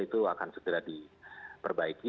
itu akan setelah diperbaiki